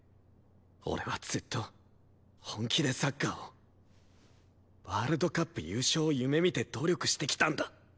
俺はずっと本気でサッカーをワールドカップ優勝を夢見て努力してきたんだ！